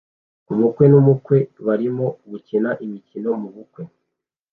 Umukwe n'umukwe barimo gukina imikino mubukwe